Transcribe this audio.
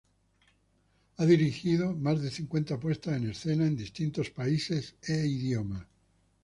Ha dirigido más de cincuenta puestas en escena, en distintos países e idiomas.